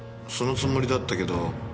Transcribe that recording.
そのつもりだったけど。